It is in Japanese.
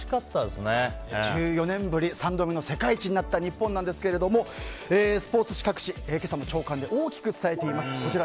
１４年ぶり３度目の世界一になった日本ですがスポーツ紙各紙、今朝の朝刊で大きく伝えています。